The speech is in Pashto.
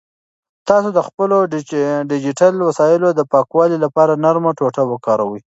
تاسو د خپلو ډیجیټل وسایلو د پاکوالي لپاره نرمه ټوټه وکاروئ.